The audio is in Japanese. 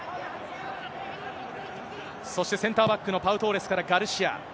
そしてセンターバックのパウ・トーレスからガルシア。